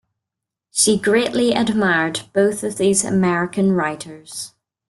She greatly admired both of these American writers.